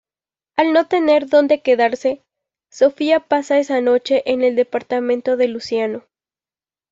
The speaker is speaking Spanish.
Al no tener donde quedarse, Sofía pasa esa noche en el departamento de Luciano.